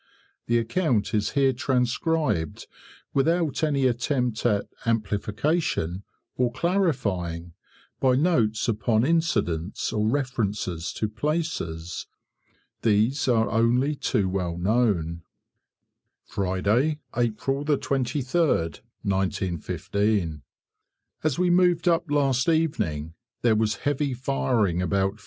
The account is here transcribed without any attempt at "amplification", or "clarifying" by notes upon incidents or references to places. These are only too well known. Friday, April 23rd, 1915. As we moved up last evening, there was heavy firing about 4.